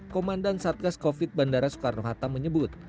komandan satgas covid bandara soekarno hatta menyebut